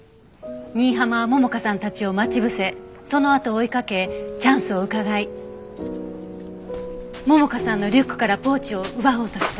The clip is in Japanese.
新浜は桃香さんたちを待ち伏せそのあとを追いかけチャンスをうかがい桃香さんのリュックからポーチを奪おうとした。